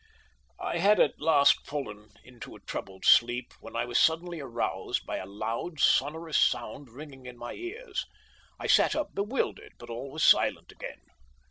"I had at last fallen into a troubled sleep when I was suddenly aroused by a loud, sonorous sound ringing in my ears. I sat up bewildered, but all was silent again.